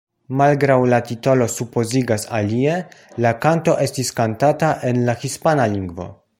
Malgraŭ la titolo supozigas alie, la kanto estis kantata en la hispana lingvo.